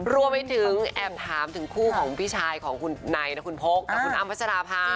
ร่วมไปถึงแอบถามถึงคู่ของพี่ชายของคุณไนคุณโภคและคุณอัมพัชรภาพ